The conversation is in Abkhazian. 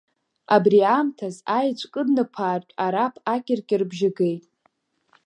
Абри аамҭаз аеҵә кыднаԥаартә Араԥ акьыр-кьырбжьы геит.